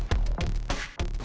pertama kali di rumah